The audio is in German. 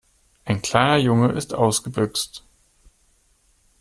Ein kleiner Junge ist ausgebüxt.